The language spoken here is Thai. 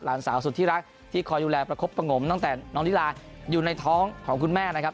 หลานสาวสุดที่รักที่คอยดูแลประคบประงมตั้งแต่น้องลิลาอยู่ในท้องของคุณแม่นะครับ